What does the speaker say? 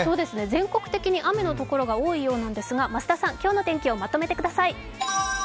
全国的に雨の所が多いようなんですが、増田さん今日の天気をまとめてください。